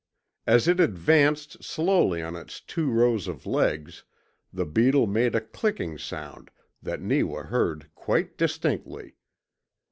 As it advanced slowly on its two rows of legs the beetle made a clicking sound that Neewa heard quite distinctly.